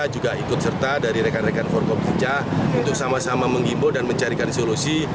juga ikut serta dari rekan rekan forkopica untuk sama sama mengimbau dan mencarikan solusi